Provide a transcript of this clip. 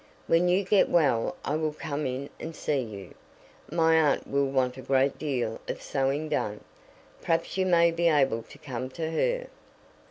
When you get well I will come in and see you. My aunt will want a great deal of sewing done. Perhaps you may be able to come to her."